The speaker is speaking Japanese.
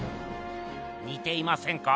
にていませんか？